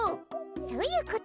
そういうこと。